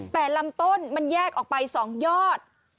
แต่ลำต้นมันแยกออกไป๒ยอด